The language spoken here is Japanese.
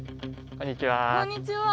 こんにちは。